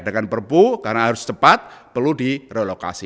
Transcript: dengan perpu karena harus cepat perlu direlokasi